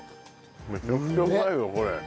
めちゃくちゃうまいよこれ。